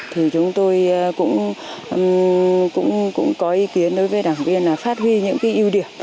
thì chúng tôi cũng có ý kiến đối với đảng viên là phát huy những cái ưu điểm